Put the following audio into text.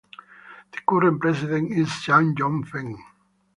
The current president is Shang Yongfeng.